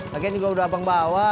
lagi ini juga udah bang bawa